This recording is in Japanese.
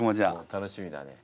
楽しみだね。